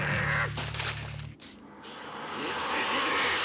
光秀！